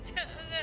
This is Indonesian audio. mas jangan mas